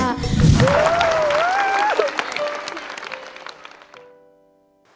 สุดท้าย